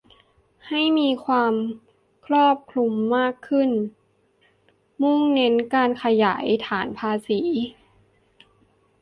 ให้มีความครอบคลุมมากขึ้น มุ่งเน้นการขยายฐานภาษี